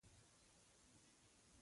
غوغا مه کوئ.